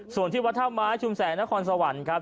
ส่วนที่วัดท่าม้ายชุมแสงและคอนสวรรค์ครับ